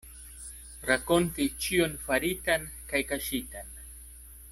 Rakonti ĉion faritan kaj kaŝitan.